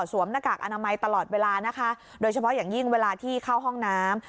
หน้ากากอนามัยตลอดเวลานะคะโดยเฉพาะอย่างยิ่งเวลาที่เข้าห้องน้ำ